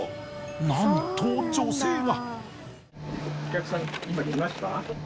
なんと女性が！